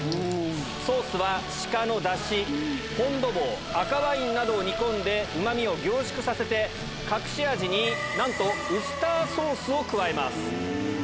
ソースは、鹿のだし、フォン・ド・ヴォー、赤ワインなどを煮込んでうまみを凝縮させて、隠し味になんとウスターソースを加えます。